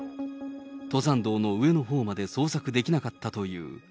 登山道の上のほうまで捜索できなかったという。